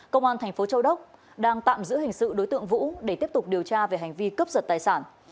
công an tp châu đốc đang tạm giữ hình sự đối tượng vũ để tiếp tục điều tra về hành vi cấp giật tài sản